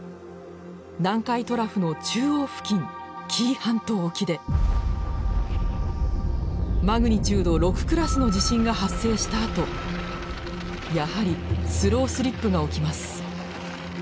南海トラフの中央付近紀伊半島沖でマグニチュード６クラスの地震が発生したあとやはりスロースリップが起きます。